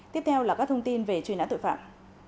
tiếp theo là các thông tin về truy nã tội phạm